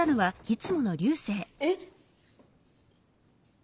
えっ？